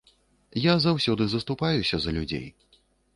Я заўсёды заступаюся за людзей.